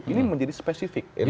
ini menjadi spesifik